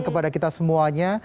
kepada kita semuanya